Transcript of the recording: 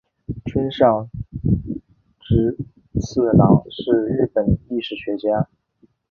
村上直次郎是日本历史学家。